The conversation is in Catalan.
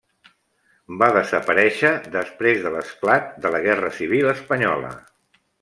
Va desaparèixer després de l'esclat de la Guerra Civil espanyola.